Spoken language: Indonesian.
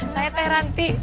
saya teh ranti